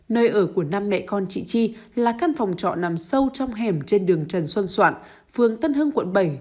nơi ở của năm mẹ con chị chi là căn phòng trọ nằm sâu trong hẻm trên đường trần xuân soạn phường tân hưng quận bảy